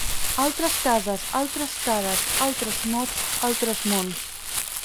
Altres cases altres cares altres mots altres mons.